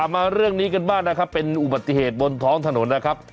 มาเรื่องนี้กันบ้างนะครับเป็นอุบัติเหตุบนท้องถนนนะครับ